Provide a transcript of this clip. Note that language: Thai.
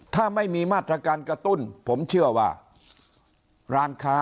ถ้าไม่มีมาตรการกระตุ้นผมเชื่อว่าร้านค้า